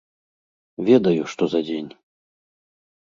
Ведаю, што за дзень.